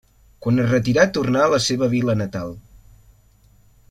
Quan es retirà tornà a la seva vila natal.